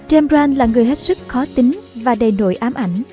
jambrand là người hết sức khó tính và đầy nội ám ảnh